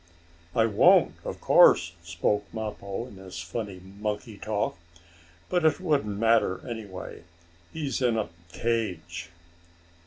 "I won't, of course," spoke Mappo in his funny, monkey talk. "But it wouldn't matter, anyhow, as he's in a cage."